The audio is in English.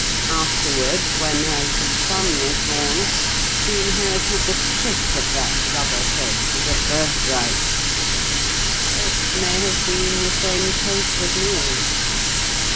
Afterward, when her little son was born, he inherited the trick of that rubber face as a birthright. It may have been the same case with me.